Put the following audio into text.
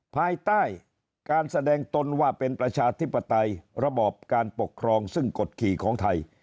ภายใต้การแสดงตนว่าเป็นประชาธิปไตยระบอบการปกครองซึ่งกฎขี่ของไทย